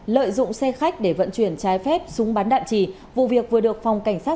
lợi dụng xe khách để vận chuyển trái phép súng bắn đạn trì vụ việc vừa được phòng cảnh sát